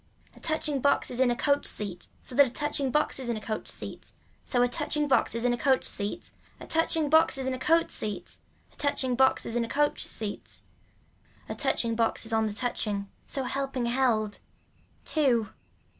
A touching box is in a coach seat so that a touching box is on a coach seat so a touching box is on a coach seat, a touching box is on a coat seat, a touching box is on a coach seat. A touching box is on the touching so helping held. Two.